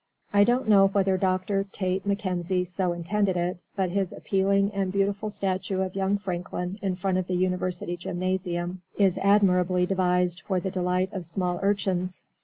I don't know whether Doctor Tait McKenzie so intended it, but his appealing and beautiful statue of Young Franklin in front of the University gymnasium is admirably devised for the delight of small Urchins.